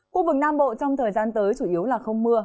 khu vực nam bộ trong thời gian tới chủ yếu là không mưa